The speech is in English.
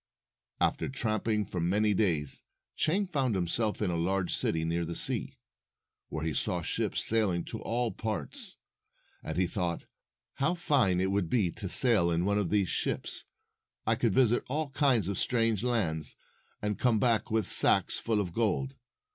After tramping for many days, Chang found himself in a large city near the sea. There he saw ships sailing to all parts, and he thought, "How fine it would be to sail in one of these 245 246 ships ! I should visit all kinds of strange lands, and come back with sacks full of gold."